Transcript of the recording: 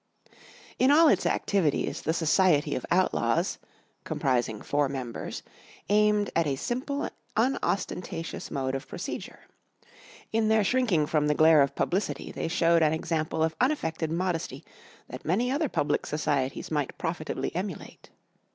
In all its activities the Society of Outlaws (comprising four members) aimed at a simple, unostentatious mode of procedure. In their shrinking from the glare of publicity they showed an example of unaffected modesty that many other public societies might profitably emulate.